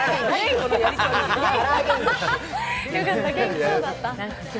よかった、元気そうだった。